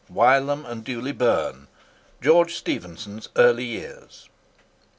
WYLAM AND DEWLEY BURN—GEORGE STEPHENSON'S EARLY YEARS.